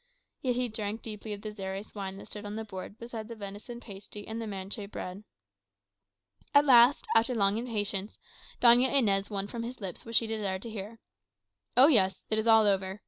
Yet he drank deeply of the Xeres wine that stood on the board beside the venison pasty and the manchet bread. At last, after long patience, Doña Inez won from his lips what she desired to hear. "Oh yes; all is over.